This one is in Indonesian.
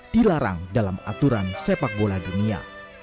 dilarang dalam aturan sepak bola dunia